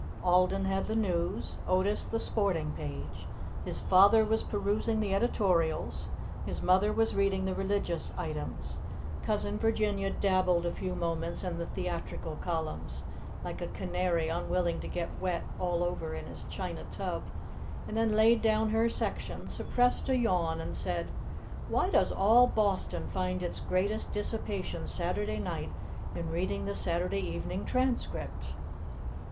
Alden had the news; Otis, the sporting page; his father was perusing the editorials, his mother was reading the religious items. Cousin Virginia dabbled a few moments in the theatrical columns, like a canary unwilling to get wet all over in his china tub, and then laid down her section, suppressed a yawn, and said, "Why does all Boston find its greatest dissipation Saturday night in reading the Saturday evening Transcript?"